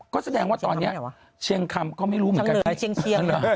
ก็แสดงว่าตอนนี้เชียงคำก็ไม่รู้เหมือนกัน